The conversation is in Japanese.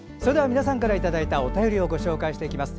皆さんからいただいたお便りをご紹介します。